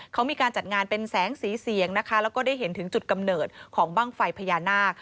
เขามีการจัดงานเป็นแสงสีเสียงนะคะแล้วก็ได้เห็นถึงจุดกำเนิดของบ้างไฟพญานาค